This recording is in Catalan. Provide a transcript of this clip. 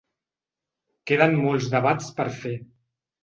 Queden molts debats per fer.